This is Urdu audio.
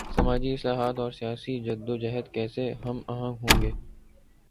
سماجی اصلاحات اور سیاسی جد و جہد کیسے ہم آہنگ ہوںگے؟